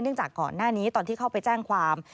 จากก่อนหน้านี้ตอนที่เข้าไปแจ้งความ